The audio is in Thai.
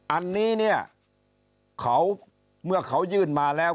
อันนี้เนี่ยเขาเมื่อเขายื่นมาแล้ว